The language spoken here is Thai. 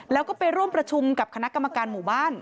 แล้วก็ไปร่วมประชุมกับคณะกรรมการหมู่บ้าน